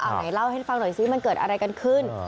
เอาไหนเล่าให้ฟังหน่อยซิมันเกิดอะไรกันขึ้น